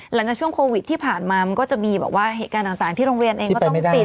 หลังจากช่วงโควิดที่ผ่านมามันก็จะมีแบบว่าเหตุการณ์ต่างที่โรงเรียนเองก็ต้องปิด